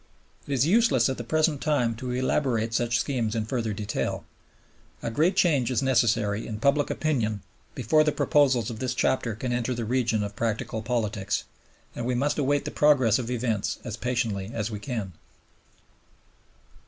It is useless at the present time to elaborate such schemes in further detail. A great change is necessary in public opinion before the proposals of this chapter can enter the region of practical politics, and we must await the progress of events as patiently as we can.